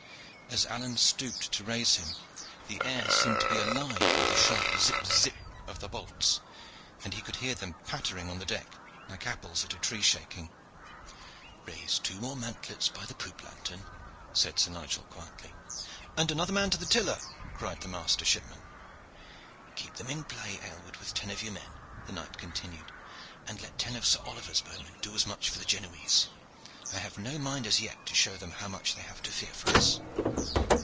As Alleyne stooped to raise him, the air seemed to be alive with the sharp zip zip of the bolts, and he could hear them pattering on the deck like apples at a tree shaking. "Raise two more mantlets by the poop lanthorn," said Sir Nigel quietly. "And another man to the tiller," cried the master shipman. "Keep them in play, Aylward, with ten of your men," the knight continued. "And let ten of Sir Oliver's bowmen do as much for the Genoese. I have no mind as yet to show them how much they have to fear from us."